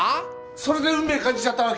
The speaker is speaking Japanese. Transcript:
それで運命感じちゃったわけ？